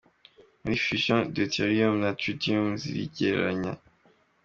Muri Fusion, deutérium na tritium ziriyegeranya.